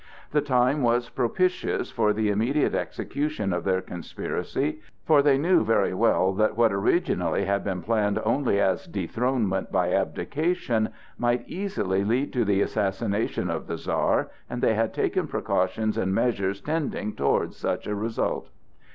The time was propitious for the immediate execution of their conspiracy; for they knew very well that what originally had been planned only as dethronement by abdication might easily lead to the assassination of the Czar, and they had taken precautions and measures tending towards such a result.